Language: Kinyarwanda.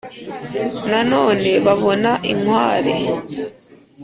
nanone babona inkware